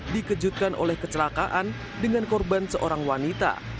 dikejutkan oleh kecelakaan dengan korban seorang wanita